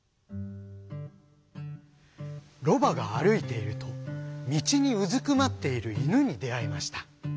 ロバがあるいているとみちにうずくまっているイヌにであいました。